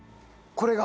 これが？